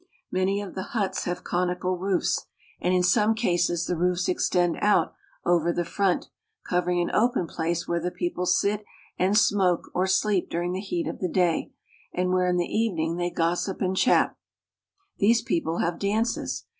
Many of the huts have conical roofs, and in some cases the roofs extend out over the front, covering an open place where the people sit and smoke or sleep during the heat of the day, and where in the evening they gossip and chat. These people have dances.